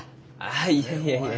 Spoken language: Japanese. あいやいやいや。